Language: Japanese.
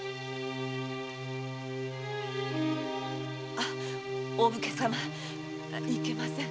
あお武家様いけません。